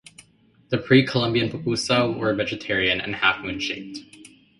The pre-Columbian pupusa were vegetarian and half-moon shaped.